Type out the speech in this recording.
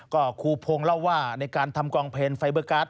ก็ครูพงศ์เล่าว่าในการทำกองเพลนไฟเบอร์การ์ด